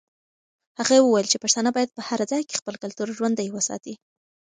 هغې وویل چې پښتانه باید په هر ځای کې خپل کلتور ژوندی وساتي.